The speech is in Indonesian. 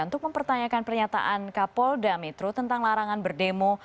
untuk mempertanyakan pernyataan kapolda metro tentang larangan berdemo